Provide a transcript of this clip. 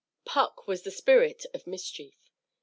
Puck was the spirit of mischief.